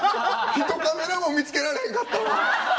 ひとカメラも見つけられへんかったわ。